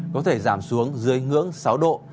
có thể giảm xuống dưới ngưỡng sáu độ